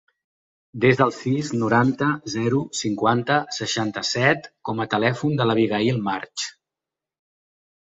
Desa el sis, noranta, zero, cinquanta, seixanta-set com a telèfon de l'Abigaïl March.